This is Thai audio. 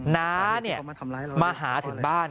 น้าเนี่ยมาหาถึงบ้าน